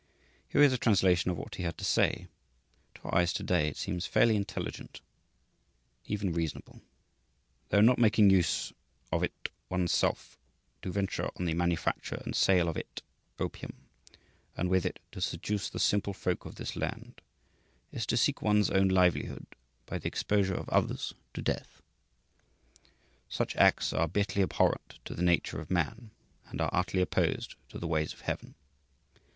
Here is a translation of what he had to say. To our eyes to day, it seems fairly intelligent, even reasonable: "Though not making use of it one's self, to venture on the manufacture and sale of it (opium) and with it to seduce the simple folk of this land is to seek one's own livelihood by the exposure of others to death. Such acts are bitterly abhorrent to the nature of man and are utterly opposed to the ways of heaven.